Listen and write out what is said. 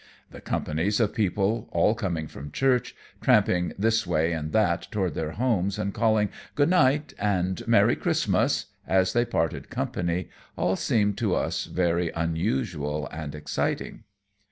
The companies of people, all coming from church, tramping this way and that toward their homes and calling "Good night" and "Merry Christmas" as they parted company, all seemed to us very unusual and exciting.